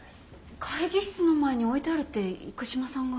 会議室の前に置いてあるって生島さんが。